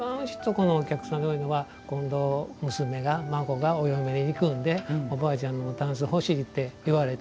このお客さんで多いのは今度娘が孫がお嫁に行くんでおばあちゃんのたんす欲しいって言われて。